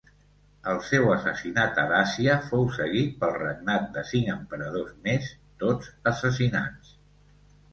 El seu assassinat a Dàcia fou seguit pel regnat de cinc emperadors més, tots assassinats.